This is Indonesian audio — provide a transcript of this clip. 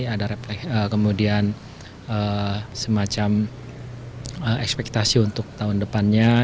ada kemudian semacam ekspektasi untuk tahun depannya